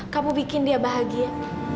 kamu bikin dia bahagia